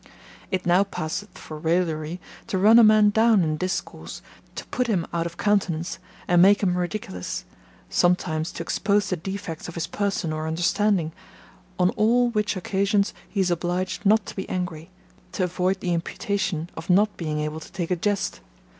It now passeth for raillery to run a man down in discourse, to put him out of countenance, and make him ridiculous, sometimes to expose the defects of his person or understanding; on all which occasions he is obliged not to be angry, to avoid the imputation of not being able to take a jest.